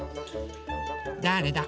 だれだ？